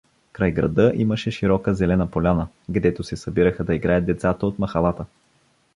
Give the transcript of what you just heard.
Край града имаше широка зелена поляна, гдето се събираха да играят деца от махалата.